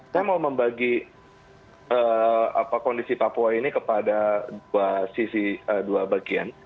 saya mau membagi kondisi papua ini kepada dua bagian